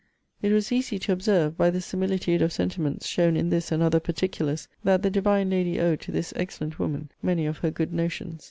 It was easy to observe, by the similitude of sentiments shown in this and other particulars, that the divine lady owed to this excellent woman many of her good notions.